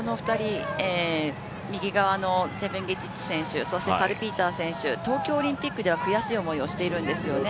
右側のチェプンゲティッチそしてサルピーター選手東京オリンピックでは悔しい思いをしているんですよね。